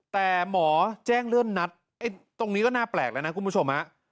แต่หมอแจ้งเลื่อนนัดตรงนี้ก็น่าแปลกแล้วนะคุณผู้ชมฮะ